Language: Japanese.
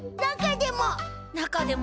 中でも！